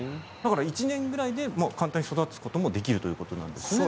１年ぐらいで簡単に育てることもできるということなんですね。